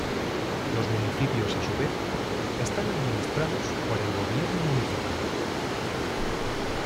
Los municipios a su vez están administrados por el Gobierno Municipal.